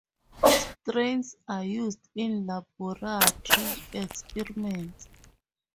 Strains are used in laboratory experiments.